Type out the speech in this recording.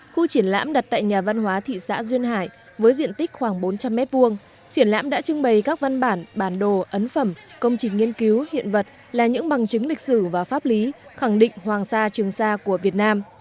khu triển lãm đặt tại nhà văn hóa thị xã duyên hải với diện tích khoảng bốn trăm linh m hai triển lãm đã trưng bày các văn bản bản đồ ấn phẩm công trình nghiên cứu hiện vật là những bằng chứng lịch sử và pháp lý khẳng định hoàng sa trường sa của việt nam